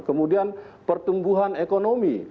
kemudian pertumbuhan ekonomi